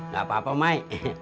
gak apa apa mai